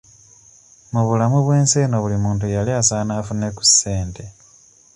Mu bulamu bw'ensi eno buli muntu yali asaana afune ku ssente.